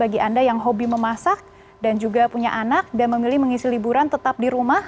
bagi anda yang hobi memasak dan juga punya anak dan memilih mengisi liburan tetap di rumah